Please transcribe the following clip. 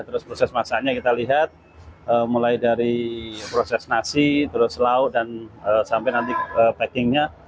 terus proses masaknya kita lihat mulai dari proses nasi terus lauk dan sampai nanti packingnya